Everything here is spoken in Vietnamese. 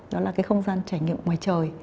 đó là cái không gian trải nghiệm ngoài trời